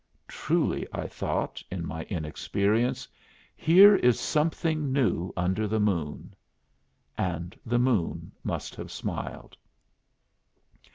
"Truly," I thought in my inexperience, "here is something new under the moon." And the moon must have smiled.